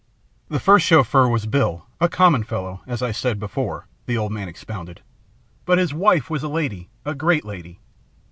"The first Chauffeur was Bill, a common fellow, as I said before," the old man expounded; "but his wife was a lady, a great lady.